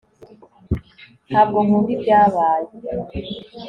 ntabwo nkunda ibyabaye